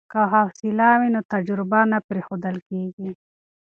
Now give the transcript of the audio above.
که حوصله وي نو تجربه نه پریښودل کیږي.